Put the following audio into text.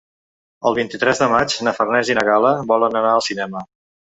El vint-i-tres de maig na Farners i na Gal·la volen anar al cinema.